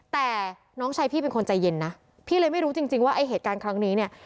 แต่น้องชายพี่เป็นคนใจเย็นนะพี่เลยไม่รู้จริงจริงว่าไอ้เหตุการณ์ครั้งนี้เนี่ย